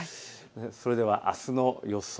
それではあすの予想